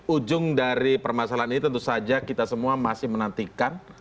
ujung dari permasalahan ini tentu saja kita semua masih menantikan